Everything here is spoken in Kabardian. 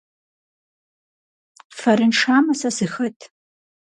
Фэрыншамэ, сэ сыхэт?